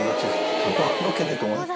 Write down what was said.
ロケで友達？